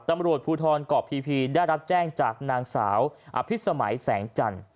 ตำรวจภูทรเกาะพีได้รับแจ้งจากนางสาวอภิษมัยแสงจันทร์